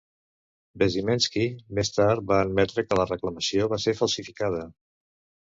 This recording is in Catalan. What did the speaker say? Bezymensky més tard va admetre que la reclamació va ser falsificada.